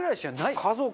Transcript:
家族？